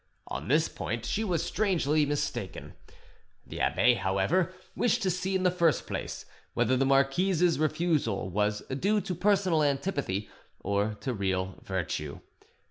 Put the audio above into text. On this point she was strangely mistaken. The abbe, however, wished to see, in the first place, whether the marquise's refusal was due to personal antipathy or to real virtue.